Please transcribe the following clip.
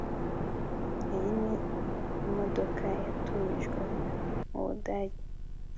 iyi ni imodoka yatumijwe mu budage